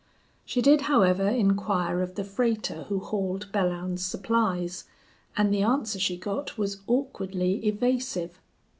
She did, however, inquire of the freighter who hauled Belllounds's supplies, and the answer she got was awkwardly evasive.